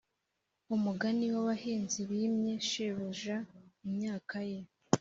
Umugani w’abahinzi bimye shebuja imyaka ye